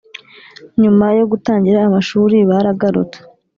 nyuma yo gutangira amashuri baragarutse